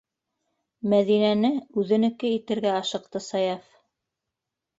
Мәҙинәне үҙенеке итергә ашыҡты Саяф!